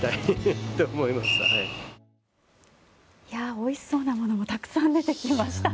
おいしそうなものもたくさん出てきましたね。